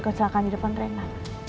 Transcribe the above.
kecelakaan di depan rina